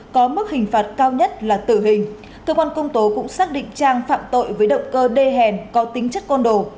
có mức hình phạt cao nhất là tử hình cơ quan công tố cũng xác định trang phạm tội với động cơ đê hèn có tính chất con đồ